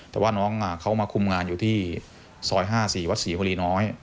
แต่ว่าน้องเขามาคุมงานอยู่ที่ซอย๕๔วัดศรีบุรีน้อย